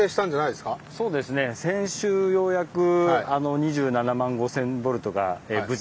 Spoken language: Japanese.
そうですね先週ようやく２７万５，０００ボルトですもんね！